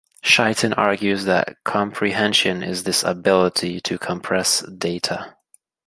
Chaitin argues that comprehension is this ability to compress data.